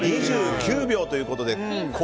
２９秒ということで。